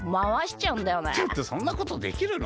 ちょっとそんなことできるの？